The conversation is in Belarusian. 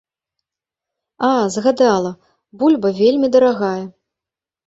А, згадала, бульба вельмі дарагая.